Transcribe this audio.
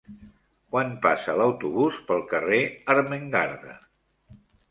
Quan passa l'autobús pel carrer Ermengarda?